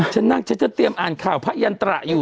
ฉันนั่งฉันจะเตรียมอ่านข่าวพระยันตระอยู่